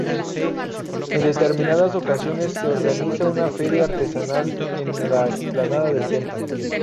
En determinadas ocasiones, se organiza una feria artesanal en la explanada del templo.